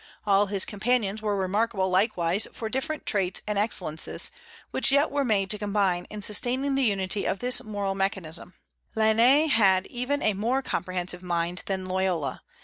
All his companions were remarkable likewise for different traits and excellences, which yet were made to combine in sustaining the unity of this moral mechanism. Lainez had even a more comprehensive mind than Loyola.